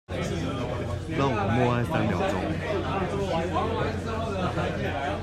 讓我們默哀三秒鐘